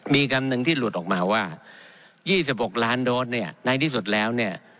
มีคำหนึ่งที่หลุดออกมาว่า๒๖ล้านโดสเนี่ยในที่สุดแล้วเนี่ย